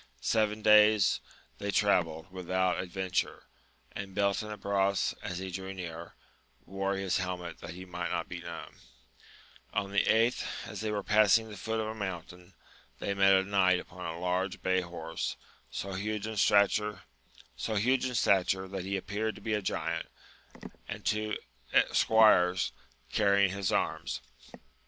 Seven days they travelled without adven ture, and Beltenebros, as he drew nearer, wore his helmet that he might not be known. On the eighth, as they were passing the foot of a mountain, they met a knight upon a large bay horse, so huge in stature that he appeared to be a giant, and two squires c^rr^ 22 AMADIS OF GAUL. t ing his arms.